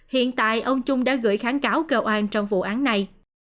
hiện tại ông trung đã gửi kháng cáo kêu an trong vụ án này